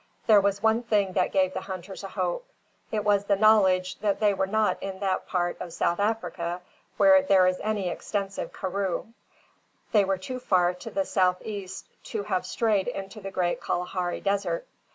There was one thing that gave the hunters a hope. It was the knowledge that they were not in that part of South Africa, where there is any very extensive karroo. They were too far to the south east to have strayed into the great Kalahari desert.